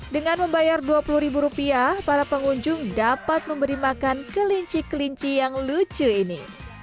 dengan membayar dua puluh ribu rupiah para pengunjung dapat memberi makan kelinci kelinci yang lucu ini